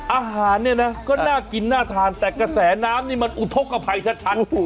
อาหารก็น่ากินน่าทานแต่กระแสน้ำนี่มันอุทกกับคายชัด